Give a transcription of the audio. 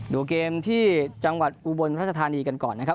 ดูเกมที่จังหวัดอุบลรัชธานีกันก่อนนะครับ